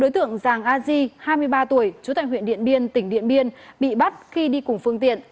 hai mươi ba tuổi chú tài huyện điện biên tỉnh điện biên bị bắt khi đi cùng phương tiện